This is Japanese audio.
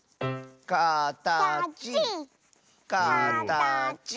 「かたちかたち」